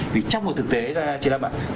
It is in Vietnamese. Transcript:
vì trong một thực tế chị lâm ạ